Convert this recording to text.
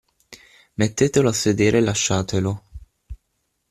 Mettetelo a sedere e lasciatelo.